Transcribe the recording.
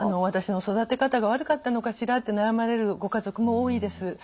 私の育て方が悪かったのかしらって悩まれるご家族も多いです。